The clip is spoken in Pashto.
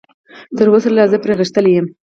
تراوسه لا زه پرې غښتلی یم.